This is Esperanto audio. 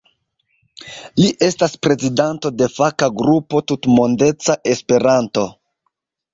Li estas prezidanto de faka grupo "Tutmondeca Esperanto".